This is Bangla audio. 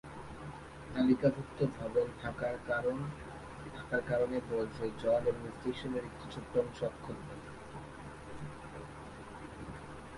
তালিকাভুক্ত ভবন থাকার কারণে বর্জ্য জল এবং স্টেশনের একটি ছোট্ট অংশ অক্ষত থাকে।